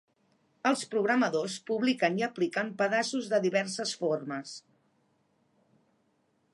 Els programadors publiquen i apliquen pedaços de diverses formes.